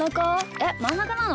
えっまんなかなの？